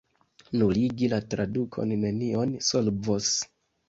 Nuligi la tradukon nenion solvos.